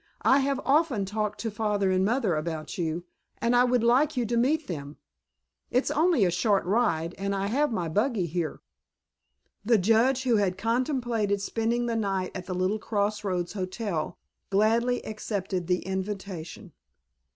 "I have often talked to Father and Mother about you and I would like you to meet them. It's only a short ride, and I have my buggy here." The Judge, who had contemplated spending the night at the little cross roads hotel, gladly accepted the invitation.